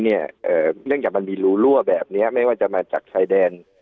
เนื่องจากมันมีรูรั่วแบบนี้ไม่ว่าจะมาจากชายแดน